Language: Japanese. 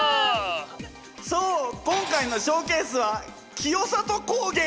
そう今回のショーケースは清里高原！